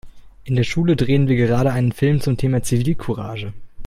In der Schule drehen wir gerade einen Film zum Thema Zivilcourage.